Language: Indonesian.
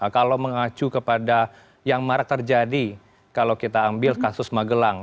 kalau mengacu kepada yang marak terjadi kalau kita ambil kasus magelang